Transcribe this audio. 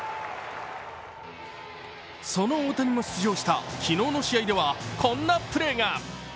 その大谷も出場した昨日の試合では、こんなプレーが。